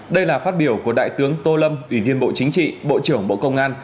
đây là phát biểu của đại tướng tô lâm ủy viên bộ chính trị bộ trưởng bộ công an